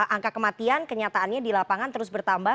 angka kematian kenyataannya di lapangan terus bertambah